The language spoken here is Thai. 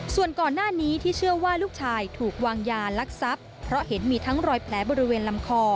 ส่วนก่อนหน้านี้ที่เชื่อว่าลูกชายถูกวางยาลักทรัพย์เพราะเห็นมีทั้งรอยแผลบริเวณลำคอ